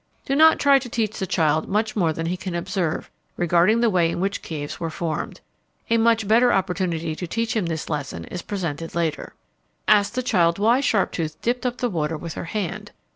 Do not try to teach the child much more than he can observe regarding the way in which caves were formed. A much better opportunity to teach him this lesson is presented later. Ask the child why Sharptooth dipped up the water with her hand.